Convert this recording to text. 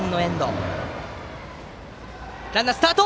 ランナー、スタート！